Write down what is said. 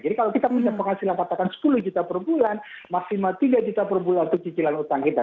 jadi kalau kita punya penghasilan patokan sepuluh juta per bulan maksimal tiga juta per bulan untuk cicilan utang kita